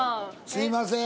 すいません。